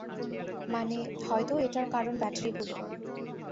মানে, হয়তো এটার কারণ ব্যাটারিগুলো।